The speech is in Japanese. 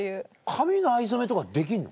髪の藍染めとかできんの？